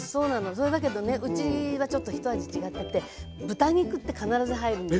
それだけどねうちはちょっとひと味違ってて豚肉って必ず入るんだよね。